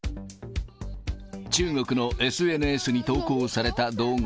中国のＳＮＳに投稿された動画。